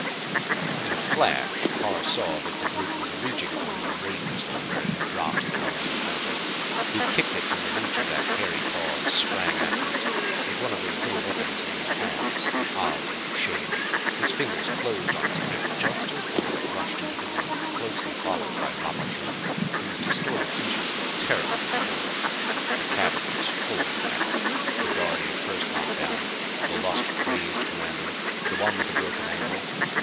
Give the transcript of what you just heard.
In a flash Carr saw that the brute was reaching for his ray pistol where it had dropped during the encounter. He kicked it from the reach of that hairy paw and sprang after it. With one of those little weapons in his hands the odds would change! His fingers closed on its grip just as Ora rushed into the room, closely followed by Rapaju, whose distorted features were terrible to behold. The cabin was full of them now; the guard he had first knocked down; the lust crazed commander the one with the broken ankle.